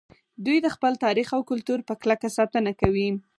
دوی د خپل تاریخ او کلتور په کلکه ساتنه کوي